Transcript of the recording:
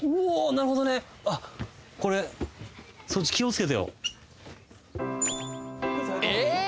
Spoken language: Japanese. なるほどねあっこれそっち気をつけてよええー？